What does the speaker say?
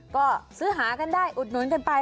ก็ซื้อหากันได้อุดหนุนกันไป